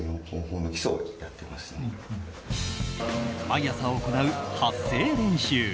毎朝行う発声練習。